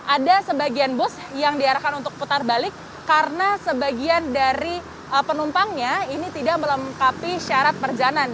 ada sebagian bus yang diarahkan untuk putar balik karena sebagian dari penumpangnya ini tidak melengkapi syarat perjalanan